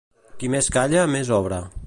Qui més calla, més obra.